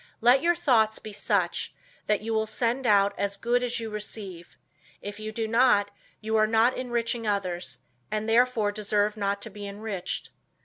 Let your thoughts be such, that you will send out as good as you receive; if you do not, you are not enriching others, and therefore deserve not to be enriched.